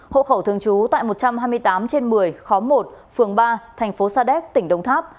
hộ khẩu thường trú tại một trăm hai mươi tám trên một mươi khóm một phường ba thành phố sa đéc tỉnh đồng tháp